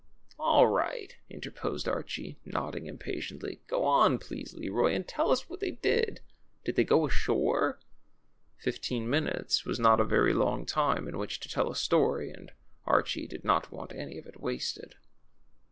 All right/' interposed Archie, nodding impatiently. Go on, please, Leroy, and tell us A\diat they did. Did they go ashore?" Fifteen minutes was not a very long time in which to tell a story, and Archie did not want any of it wasted.